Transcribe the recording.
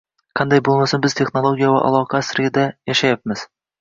Qanday bo'lmasin, biz texnologiya va aloqa asrida yashayapmiz